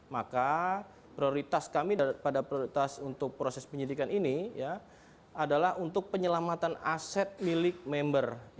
maka prioritas kami pada prioritas untuk proses penyidikan ini adalah untuk penyelamatan aset milik member